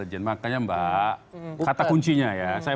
datang dari pengaruh indonesia